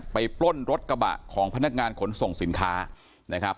ปล้นรถกระบะของพนักงานขนส่งสินค้านะครับ